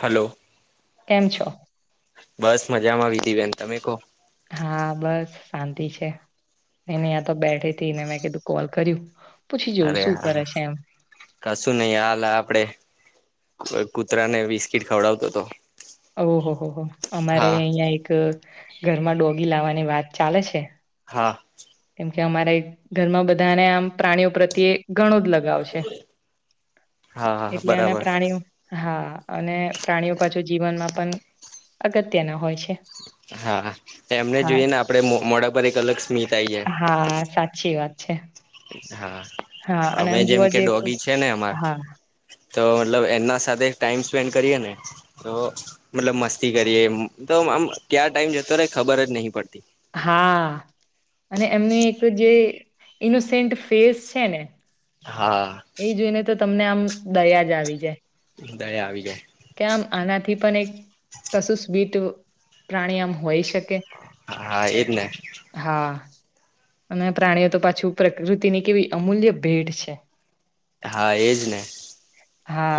Hello. કેમ છો. બસ મજામાં વિધી બેન તમે કહો? હા બસ શાંતિ છે એને યાં તો બેઠી ને મેં કીધું કોલ કર્યું. પૂછી જોવું અરે શું કરે હા છે એમ. કશું નહિ હાલ આપડે કો કૂતરા ને બિસ્કીટ ખવડાવતો હતો. ઓહો હો હો અમારે હા અહિયાં એક ઘરમાં ડોગી લાવવાની વાત ચાલે છે. હા. કેમ કે અમારે ધર્મ બધાને આમ પ્રાણીઓ પ્રત્યે ઘણું જ લગાવ છે. હા. હા એટલે અને બરાબર પ્રાણીઓ હા અને પ્રાણીઓ પાછુ જીવનમાં પણ અગત્યના હોય છે. હા એમને હા જોઈએ ને આપડે મોડા પર એક અલગ ઈસ હા સાચી વાત છે. હા હા અને અમે આમ જેમ જોવા કે જઈએ તો ડોગી છે ને અમાર હા તો મતલબ એમના સાથે ટાઈમ સ્પેન્ડ કરીએ ને તો મતલબ મસ્તી કરીએ આમ ક્યા ટાઈમ જતો રેય ખબર જ નહી પડતી. હા. અને એમનું એક જે ઈનોસન્ટ ફેસ છે ને. હા. એ જોઈને તો તમને આમ દરિયા જ આવી જાય. દાય આવી જાય. કે આમ આનાથી પણ એક કશું સ્ બીટ પ્રાણી આમ હોઈ શકે હા એજ ને હા. અને પ્રાણીઓ તો પાછું પ્રકૃતિની કેવી અમૂલ્ય ભેડ છે. હા એજ ને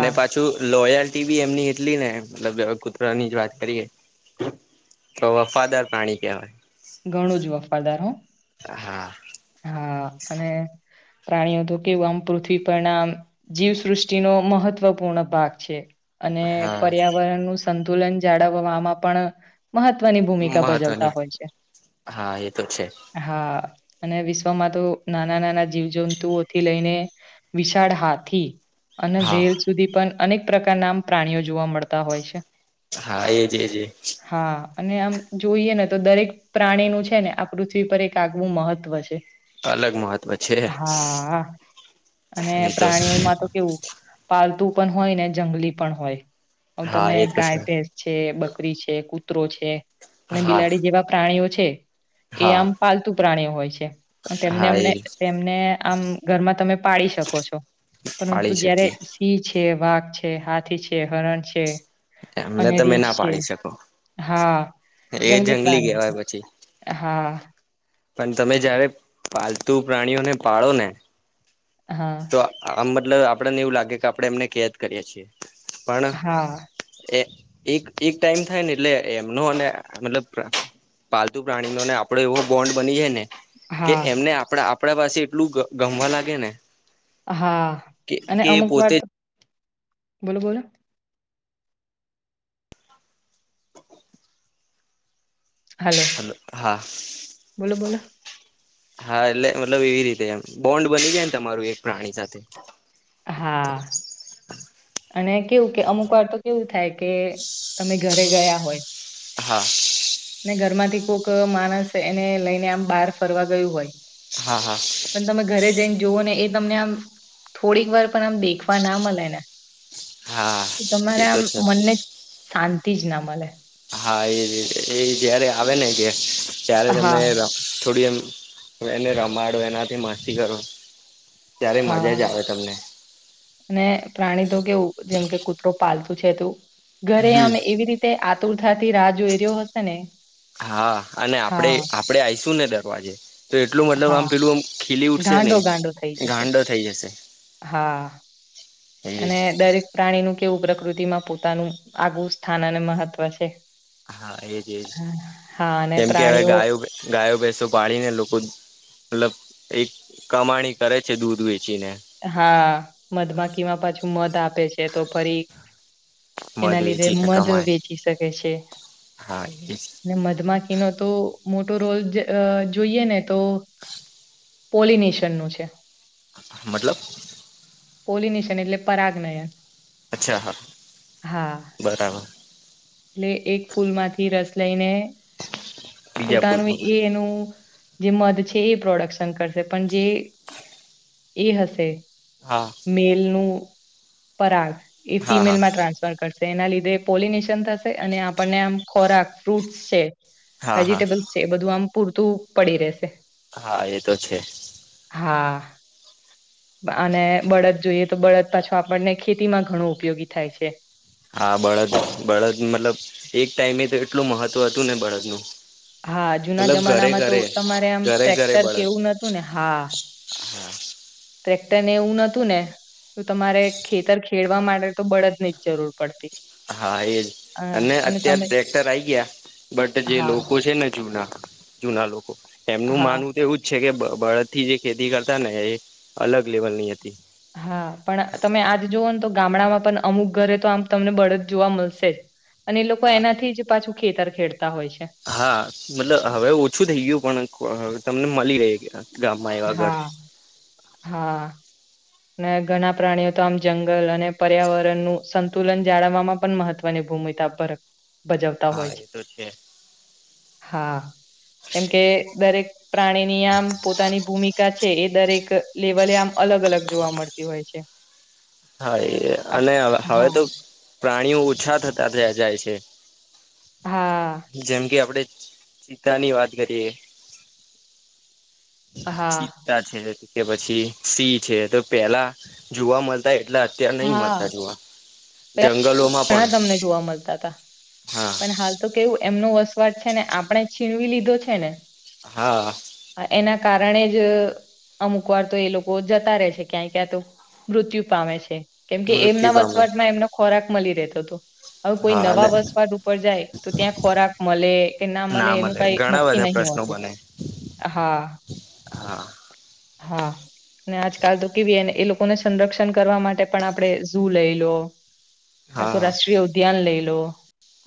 ને પાછું લોયલ ી એમની એટલી ને મલબ કૂતરાની જ વાત કરીએ. તો વફાદર પ્રાણી કહેવાય. ઘણું જ વફાદાર હ. હા. હા અને પ્રાણીઓ તો કેવું આમ પૃથ્વી પર ના જીવસૃષ્ટિનો મહત્વપૂર્ણ ભાગ છે. અને હા પર્યાવરણનુંું સંતુલન જાળવવામાં પણ મહત્વની ભૂમિકા મહત્વની ભજવતા હોય છે. હા એ તો છે. હા અને વિશ્વમાં તો નાના નાના જીવજંતુઓથી લઈને વિશાળ હાથી અને હા વેલ સુધી પણ અનેક પ્રકારનામ પ્રાણીઓ જોવા મળતા હોય છે. હા એજ એજ. હા અને આમ જોઈએ ને તો દરેક પ્રાણી નું છે, ને આ પૃથ્વી પર એક આગવું મહત્વ છે. અલગ મહત્વ છે હા અને નહી તો પ્રાણીઓમાં તો કેવું પાલતુ. હોય ને જંગલી પણ હોય [unintelligible] હા તમે એ તો ગાય છે ભેસ છે, બકરી છે [unintelligible] છે, અને હા બિલાડી જેવા પ્રાણીઓ છે, એ હા આમ પાલતુ પ્રાણીઓ હોય છે. તેમને હા અમને એ તેમને આમ ઘરમાં તમે પાડી શકો છો. પરંતુ પાળી જયારે શકીએ સિંહ છે, વાઘ છે હાથી છે, હરણ છે. એમને અને તમે રીચ ના છે, પાળી શકો હા એ જંગલી કહેવાય પ્રાણી. પછી હા. પણ તમે જયારે પાલતુ પ્રાણીઓને પાળો ને. હા તો આમ મતલબ આપડેને એવું લાગેકે કે [unintelligible] એમને કદ કરીએ છીએ. પણ હા એ એક એક ટાઈમ થાય ને એટલે એમનો અને મતલબ. પાલતુ પ્રાણી નો ને આપડો એવો બોન્ડ બની જાય ને. કે હા એમને આપડા આપડા પાસે એટલું ગમવા લાગે ને. હા કે અને કે એ અમુક વાર પોતે જ બોલો બોલો. [unintelligible] હા બોલો બોલો. હા એટલે મતલબ એવી રીતે એમ બોન્ડ બની જાય ને તમારું એક પ્રાણી સાથે. હા અને કેવું કે અમુક વાર તો કેવું થાય. કે તમે ઘરે ગયા હોય. હા. ઘર માંથી કોઈક માણસ એને લઈને આમ બહાર ફરવા ગયું હોય. હા હા પણ તમે ઘરે જઈને જોવો ને એ. તમને આમ થોડીક વાર પણ આમ દેખવા ના મળે ને. હા એ તમારા તો આ છે મનને શાંતિ જ ના મળે હા એ રીતે એ જ્યારે આવે ને કે ત્યારે હા તમે થોડી એમ. [unintelligible] એને રમાડો એનાથી મસ્તી કરો ત્યારે હા મજા જ આવે તમને. અને પ્રાણી તો કેવું જેમ કે કૂતરો પાલતું છે, તું ઘરે હમ અમે એવી રીત ચતુર્થા થી રાહ જોઈ રહ્યો હશે ને. હા અને આપણે હા આપડે આશું ને દરવાજે. તો એટલું મતલબ આમ હા પેલું આમ ખીલી ઉઠશે ને ગાંડો ગાંડો થઈ જશે ગાંડો થઈ જશે. હા. એજ અને દરેક પ્રાણીનું કેવું પ્રકૃતિમાં પોતાનું આગું સ્થાન અને મહત્વ છે. હા એજ એજ. હા અને કેમ કે હવે પ્રાણીઓ ગો ગાયો બેસો પાડીને લોકો મતલ એક કમાણી કરે છે, દૂધ વેચ હા મધમાખીમાં પાછું મધ આપે છે, તો ફરી. મધ એના લીધે વેચીને મધ કમાય વેચી શકે છે, હા એ અને મધમાખીનો તો મોટો રોલ જોઈએ ને તો પોલિનિશિયનનું છે. મતલબ? પોલીનેશન એટલે પરાગનયાન અચ્છા હા હા બરાબર એટલે એક ફૂલમાંથી રસ. લઈને બીજા પોતાનું ફૂલમાં એ એનું જે મધ છે, એ પ્રોડક્શન કરશે પણ જે એ હશે. હા મેલ નું પરાગ એ હા હા ફિમેલમાં ટ્રાન્સફર કરશે એના લીધે પોલિનેશન થશે અને આપણને આમ ખોરાક [unintelligible] છે. હા હા વેજીિટેબલ છે, એ બધું આમ પૂરતું પડી રેશે. હા એ તો છે. હા. બા અને બળદ જોઈએ તો બળદ પાછું આપણને ખેતીમાં ઘણું ઉપયોગી થાય છે. હા બળદ-બળદ મતલબ એક ટાઈમે તો એટલું મહત્વ હતું ને બળદનું. હા જુના મતલબ જમાનામાં તો ઘરે-ઘરે તમારે આમ ઘરે-ઘરે ટ્રેક્ટર કે બળદ એવું નતું ને હા હા. ટ્રેક્ટર ને એવું નોતું ને તો તમારે ખેતર ખેડવા માટે તો બળદ ની જ જરૂર પડતી. હા એજ, અ, અને અત્યાર તમે ટ્રેક્ટર આઈ ગયા, બટ જે હા લોકો છે ને જૂના જુના લોકો એમનું હા માનવું તો એવું જ છે કે બ બળદ થી જે ખેતી કરતા ને એ અલગ લેવલ ની હતી. હા પણ તમે આજ જોવ ને તો ગામડામાં પણ અમુક ઘરે તો આમ તમને બળદ જોવા મલશે જ. અને એ લોકો હા એનાથી જ પાછું ખેતર ખેડ હા, મતલબ હવે ઓછું થઇ ગયું પણ અહ તમને મલી ગઈ [unintelligible] હા, હા. અને ઘણા પ્રાણીઓ તો આમ જંગલ અને પર્યાવરણ નું સંતુલન જાળવવામાં પણ મહત્વની ભૂમિકા ભર ભજવતા હા હોય છે. એ તો હા કેમ કે દરેક પ્રાણીની આમ પોતાની ભૂમિકા છે એ દરેક લેવલે આમ અલગ-અલગ જોવા મળતી હોય છે. હા એ આપ અને હ હવે હા. તો પ્રાણીઓ ઓછા થતા થ જાય છે. હા જેમ કે આપડે ચીતા ની વાત કરીએ. હા ચીતા છે કે પછી સિંહ છે, તો પેલા જોવા મળતા એટલા અત્યાર નહીં હા મલતા જોવા. જંગલોમાં ઘણા પણ તમને જોવા મલતા તા, હા પણ હાલ તો કેવું એમનું વસ્ત પર છે ને આપણે છીનવી લીધો છે ને હા. આ એના કારણે જ અમુક વાર તો એ લોકો જતા રહે છે, ક્યાંય-ક્યાંય તો મૃત્યુ પામે છે. કેમ કે એમના મૃત્યુ પામે વસવાટમાં એમનો ખોરાક મલી રહેતો તો. હવે કોઈ હા નવા અને વસવાટ ઉપર જાય તો ત્યાં ખોરાક મલે કે ના મલે એનું મળે કાઈ ઘણા નક્કી બધા નહી. પ્રશ્નો હોતું બને. હા. હા‌. હા. અને આજકાલ તો કેવી ને એ લોકોને સંરક્ષણ કરવા માટે પણ આપણે ઝુ લઈ લો કા તો હા રાષ્ટ્રીય ઉદ્યાન લઈ લો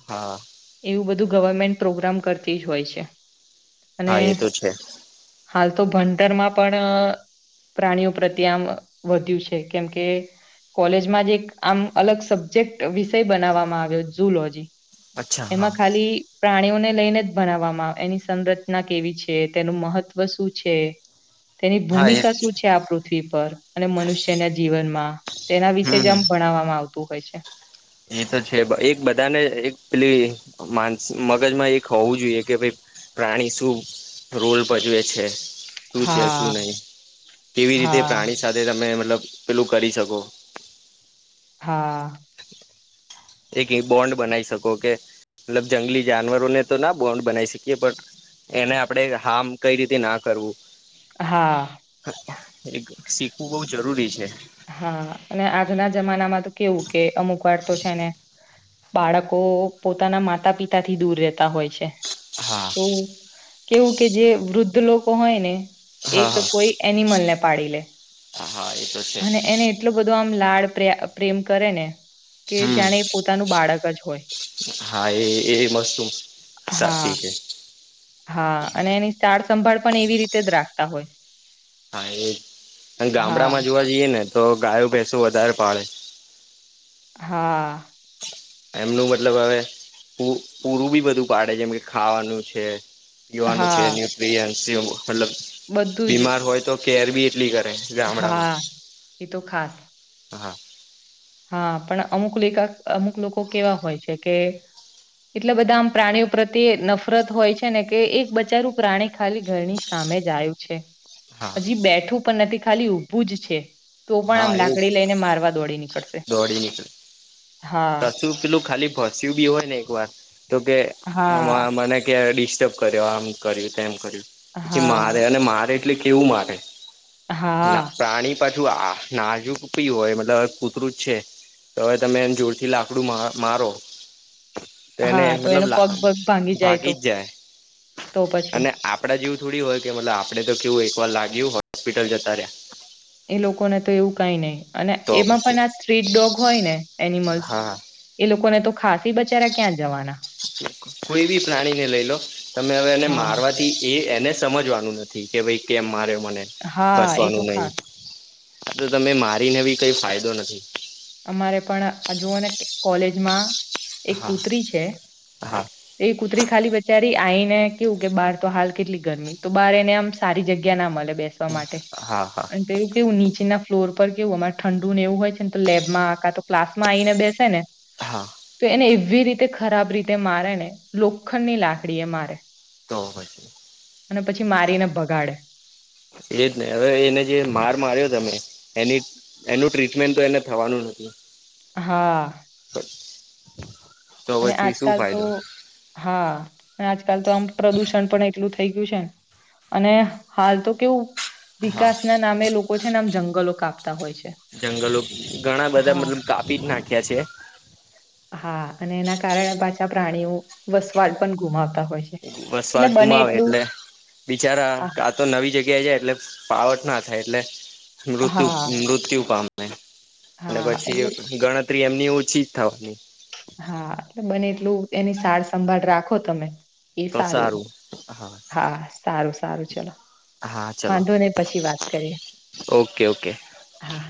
હા. એવું બધું ગવર્મેન્ટ પ્રોગ્રામ કરતી જ હોય છે. અને હા એ તો છે હાલ તો ભણતરમાં પણ અહ પ્રાણીઓ પ્રત્યે આમ વધ્યું છે કેમકે કોલેજમાં જ એક આમ અલગ સબ્જેક્ટ વિષય બનાવવામાં આવ્યો જુ લોજી. અચ્છા એમાં હા ખાલી પ્રાણીઓને લઈને જ ભણાવામાં, એની સંરચના કેવી છે, તેનું મહત્વ શું છે? તેની હા એ ભૂમિકા શું છે આ પૃથ્વી પર અને મનુષ્યના જીવનમાં? તેના વિશે જ હમ આમ ભણવામાં આવ તું કઈ છે એ તો છે, એક બધાને એક પેલી માનસ મગજમાં એક હોવું જોઈએ કે ભાઈ પ્રાણી શું રોલ ભજવે છે? શું છે, હા શું નહી? કેવી રીતે હા પ્રાણી સાથે તમે મતલબ પેલું કરી શકો. હા. એક એ બોન્ડ બનાઈ શકો કે મતલબ જંગલી જાનવરોને તો ના બોન્ડ બનાઈ શકીએ બટ એને આપડે હાર્મ કઈ રીતે ના કરવું. હા. એ શીખવું બઉ જરૂરી છે. હા, અને આજના જમાનામાં તો કેવું કે અમુક વાર તો છે ને બાળકો પોતાના માતા-પિતાથી દૂર રહેતા હોય છે. હા તો કેવું કે જે વૃદ્ધ લોકો હોય ને એક હા કોઈ એનિમલને પાડી લે હા એ તો છે. અને એને એટલુ બધો આમ લાળ પ્રે પ્રેમ કરે ને કે જાણે પોતાનું બાળક જ હોય. હા એ એ વસ્તુ હા, સાચી છે હા અને એની સાળસંભાળ પણ એવી રીતે જ રાખતા હોય. હા, એ અન હા ગામડામાં જોવા જઈએ ને તો ગાયો ભેસો વધારે પાડે. હા. એમનું મતલબ હવે પૂ પૂરું બી બધું પાડે જેમ કે ખાવાનું છે પીવાનું છે. હા ન્યુટ્રીયન્સ જેવું મતલબ બધું જ બીમાર હોય તો કેર બી એટલી કરે. ગામડામાં. હા એ તો ખાસ હા. હા, પણ અમુક લેકા અમુક લોકો કેવા હોય છે કે એટલા બધા આમ પ્રાણીઓ પ્રત્યે નફરત હોય છે ને કે એક બચારું પ્રાણી ખાલી ઘરની સામે સામે જ આયુ છે. હા હજી બેઠું પણ નથી ખાલી ઊભું જ છે તો પણ આમ હા એ લાકડી લઈને મારવા દોડી નીકળશ. દોડી નીકળે, કશું પેલું ખાલી ભસ્યું બી હોય ને એકવાર તો કે આ હા, મને કે ડિસ્ટર્બ કર્યો, આમ કર્યું, તેમ કર્યું. પછી હા, મારે અને મારે એટલે કેવું મારે. ના હા, પ્રાણી પાછું આ નાજુક બી હોય. મતલબ કુતરું જ છે તો હવે તમે એમ જોડ થી લાકડું મા મારો તો એને હા, મતલબ એનો પગ પગ ભાંગી ભાગી તો જ જાય. તો પછી અને આપડા જેવું થોડી હોય કે મતલબ આપડે તો કેવું એક વાર લાગ્યું હોસ્પિટલ જતા રહ્યા. એ લોકોને તો એવું કઈ નઈ. અને તો એમાં પછી પણ આ સ્ટ્રીટ ડોગ હોય ને એનિમલ્સ હા એ લોકોને તો ખાસી બચારા ક્યાં જવાના કોઈ બી પ્રાણીને લઈ લો. તમે હવે એને હા મારવાથી એ એને સમજવાનું નથી કે ભઈ કેમ મારયો. મને હા એ તો ભસવાનું નઈ. ખાસ આ તો તમે મારીને બી કઈ ફાયદો નથી. અમારે પણ આ જુઓ ને કોલેજમાં એક હા કૂતરી છે હા એ કૂતરી ખાલી બચારી આઈને કેવું કે બાર તો હાલ કેટલી ગરમી તો બહાર એને આમ સારી જગ્યા ના મલે બેસવા માટે. હા હા અન પેલું કેવું નીચેના ફ્લોર પર કેવું અમારે ઠંડુ ને એવું હોય છે ન તો લેબમાં આ કાતો ક્લાસમાં આવીને બેસે ને હા તો એને એવી રીતે ખરાબ રીતે મારે ને લોખંડની લાકડી એ મારે. તો પછી. અને પછી મારીને ભગાડે. એજ ને. હવે એને જે માર માર્યો તમે એની એનું ટ્રીટમેન્ટ તો એને થવાનું નથી. હા. [inaudible] અને પછી શું આજકાલ તો, ફાયદો હા. અન આજકાલ તો આમ પ્રદુષણ પણ એટલું થઈ ગયું છે ન, અને હાલ તો કેવું હા વિકાસ ના નામે લોકો છે ને આમ જંગલો કાપ જંગલો ઘણા બધા હા મતલબ કાપી જ નાખ્યા છે. હા અને એના કારણે પાછા પ્રાણીઓ વસવાટ પણ ગુમાવતા હોય છે. એટલે વસવાટ બને ગુમાવે એટલું એટલે બિચારા હા આ તો નવી જગ્યા જાય એટલે પાવટ ના એટલે મૃત્યુ હા મૃત્યુ પામે અને હા પછી એટલે ગણતરી એમની ઓછી જ થવાની. હા બને એટલું એની સાર સંંભાળ રાખો તમે. એ સારું હા સારું સારું ચલો. હા ચલો વાંધો ને પછી વાત કરીએ. Okay okay. હા